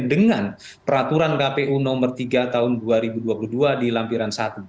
dengan peraturan kpu nomor tiga tahun dua ribu dua puluh dua di lampiran satu